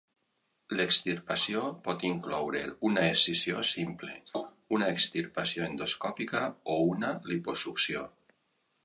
L'extirpació pot incloure una excisió simple, una extirpació endoscòpica o una liposucció.